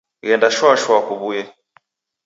Ghenda shwa shwa kuwuye.